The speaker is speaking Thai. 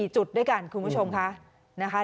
๔จุดด้วยกันคุณผู้ชมค่ะ